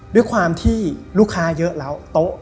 ด้วยความที่ลูกค้าเยอะแล้วโต๊ะ